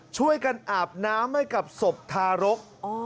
ช่วยกันอาบน้ำให้กับสพทารก